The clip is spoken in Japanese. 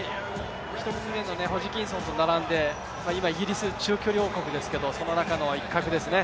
１組目のホジキンソンと並んで今、イギリス、中距離王国ですけど、その中の一角です。